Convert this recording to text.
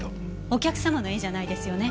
お客様の絵じゃないですよね？